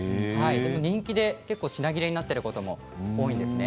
人気で結構、品切れになっていることも多いんですね。